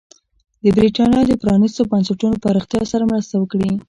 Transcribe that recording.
د برېټانیا د پرانېستو بنسټونو پراختیا سره مرسته وکړي.